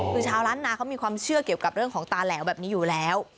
คือชาวล้านนาเขามีความเชื่อเกี่ยวกับเรื่องของตาแหลวแบบนี้อยู่แล้ว